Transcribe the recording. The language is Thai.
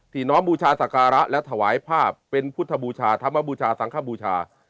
น้อมบูชาสการะและถวายภาพเป็นพุทธบูชาธรรมบูชาสังขบูชา